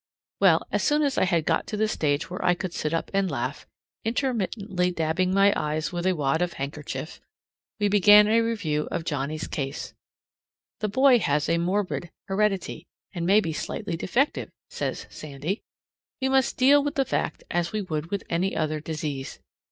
Well, as soon as I had got to the stage where I could sit up and laugh, intermittently dabbing my eyes with a wad of handkerchief, we began a review of Johnnie's case. The boy has a morbid heredity, and may be slightly defective, says Sandy. We must deal with the fact as we would with any other disease.